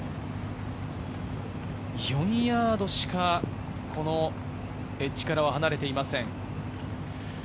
４ヤードしかエッジからは離れていません。